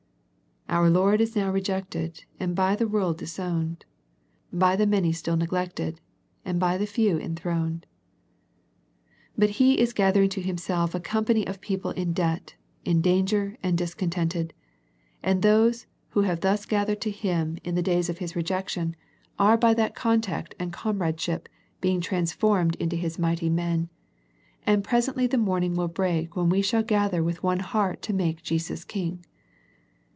"Our Lord is now rejected, And by the world disowned, By the many still neglected, And by the few enthroned." But He is gathering to Himself a company of people in debt, in danger, and discontented, and those who have thus gathered to Him in i8o A First Century Message the days of His rejection are by that contact and comradeship being transformed into His mighty men, and presently the morning will break when we shall gather with one heart to make Jesus King.